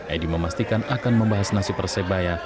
edi memastikan akan membahas nasib persebaya